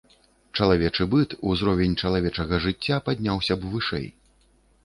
Чалавечы быт, узровень чалавечага жыцця падняўся б вышэй.